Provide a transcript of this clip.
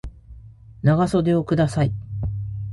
長袖をください